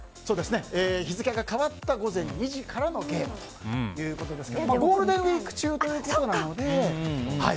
日付が変わった午前２時からのゲームということですがでも、ゴールデンウィーク中ですので。